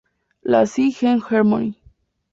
La Selle-en-Hermoy